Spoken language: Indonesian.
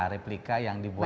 replika yang dibuat di jawa